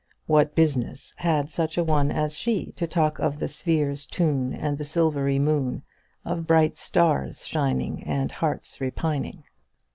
What business had such a one as she to talk of the sphere's tune and the silvery moon, of bright stars shining and hearts repining?